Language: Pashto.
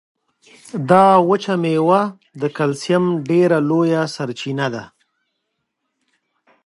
دا وچه مېوه د کلسیم ډېره لویه سرچینه ده.